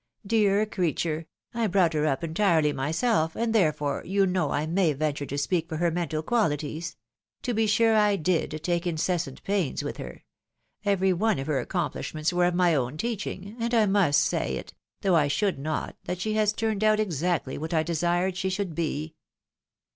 Dear creature ! I brought her up entirely myself, and, therefore, you know I may venture to speak for her mental qualities. To be sure I did take incessant pains with her ! Every one of her accomplishments were of my own teaching, and I must say it, though I should not, that she has turned out exactly what I desired she should be."